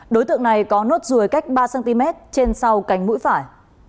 đối tượng này có nốt ruồi cách ba cm trên sau cánh mũi phải